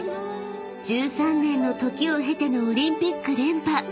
［１３年の時を経てのオリンピック連覇］